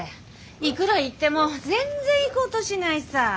いくら言っても全然行こうとしないさぁ。